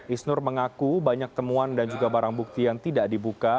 isnur mengaku banyak temuan dan juga barang bukti yang tidak dibuka